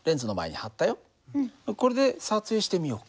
これで撮影してみようか。